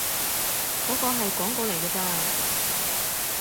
嗰個係廣告嚟㗎咋